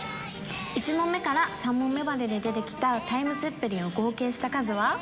１問目から３問目までで出てきたタイムツェッペリンを合計した数は？